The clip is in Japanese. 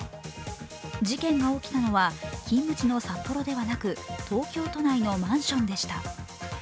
事件が起きたのは勤務地の札幌ではなく東京都内のマンションでした。